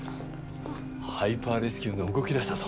ハイパーレスキューが動き出したぞ。